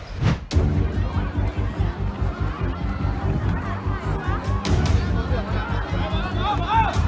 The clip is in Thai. สงสัย